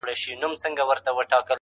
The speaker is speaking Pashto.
• فکر وکړي چي ناروغ -